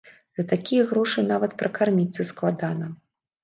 За такія грошы нават пракарміцца складана.